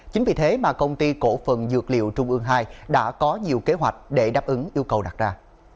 chính vì thế mà công ty cổ phần dược liệu trung ương ii đã có nhiều kế hoạch để đáp ứng yêu cầu đặt ra